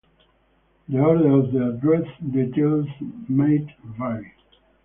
The order of the address details might vary.